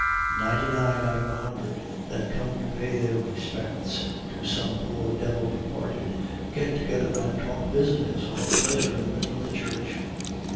Ninety nine out of a hundred that come to pay their respects to some poor devil departed, get together and talk business or pleasure in the middle of the church.